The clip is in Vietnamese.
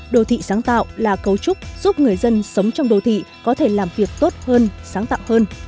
đô thị sáng tạo là cấu trúc giúp người dân sống trong đô thị có thể làm việc tốt hơn sáng tạo hơn